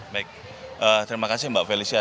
baik terima kasih mbak felicia